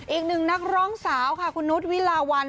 อีกหนึ่งนักร้องสาวค่ะคุณนุษย์วิลาวัน